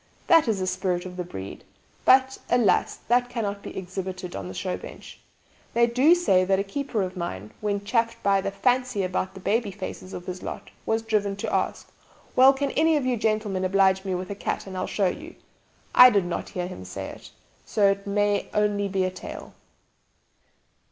That is the spirit of the breed; but, alas, that cannot be exhibited on the show bench. They do say that a keeper of mine, when chaffed by the 'fancy' about the baby faces of his 'lot,' was driven to ask, 'Well, can any of you gentlemen oblige me with a cat, and I'll show you?' I did not hear him say it, so it may only be a tale.